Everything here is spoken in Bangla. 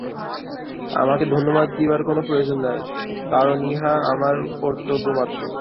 আমাকে ধন্যবাদ দিবার কোন প্রয়োজন নাই, কারণ ইহা আমার কর্তব্যমাত্র।